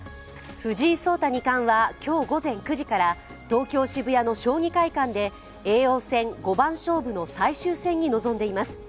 藤井聡太二冠は今日午前９時から東京・渋谷の将棋会館で叡王戦五番勝負の最終戦に臨んでいます。